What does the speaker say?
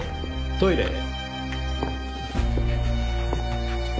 トイレへ。